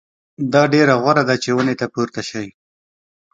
دا ډېره غوره ده چې ونې ته پورته شئ.